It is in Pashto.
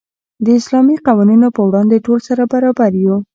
د اسلامي قوانینو په وړاندې ټول سره برابر وو.